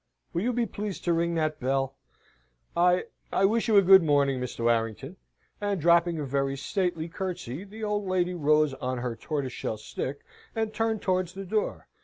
Will you be pleased to ring that bell? I I wish you a good morning, Mr. Warrington," and dropping a very stately curtsey, the old lady rose on her tortoiseshell stick, and turned towards the door.